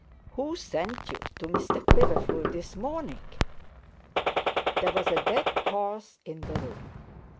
who sent you to Mr Quiverful this morning?' There was a dead pause in the room.